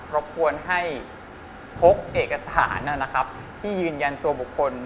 รบควรให้พกเอกสารที่ยืนยันตัวบุคคล